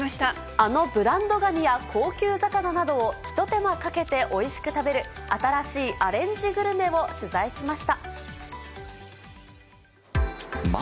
あのブランドガニや高級魚などを一手間かけておいしく食べる、新しいアレンジグルメを取材しま